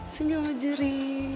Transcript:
senyum sama juri